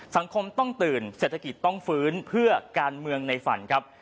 สังคมต้องตื่นเศรษฐกิจต้องฟื้นเพื่อการเมืองในฝันครับ